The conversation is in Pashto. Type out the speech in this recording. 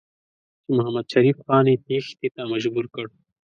چې محمدشریف خان یې تېښتې ته مجبور کړ.